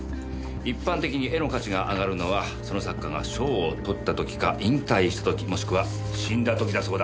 一般的に絵の価値が上がるのはその作家が賞を取った時か引退した時もしくは死んだ時だそうだ。